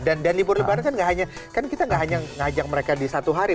dan libur lebaran kan nggak hanya kan kita nggak hanya ngajak mereka di satu hari